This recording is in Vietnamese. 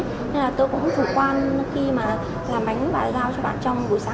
nên là tôi cũng phục quan khi mà làm bánh và giao cho bạn trong buổi sáng